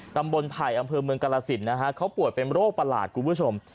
ตำบลไผ่อำเภอเมืองกรสิตนะครับเขาปวดเป็นโรคประหลาดคุณผู้ชม